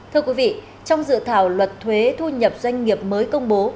thưa quý vị trong dự thảo luật thuế thu nhập doanh nghiệp mới công bố